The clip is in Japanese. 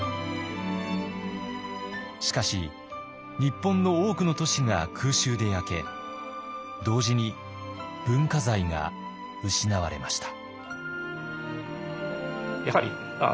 しかし日本の多くの都市が空襲で焼け同時に文化財が失われました。